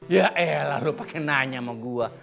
yaelah lu pake nanya sama gua